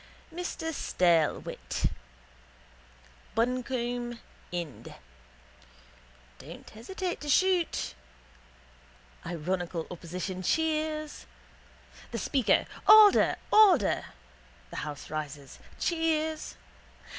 Mr Staylewit (Buncombe. Ind.): Don't hesitate to shoot. (Ironical opposition cheers.) The speaker: Order! Order! (The house rises. Cheers.)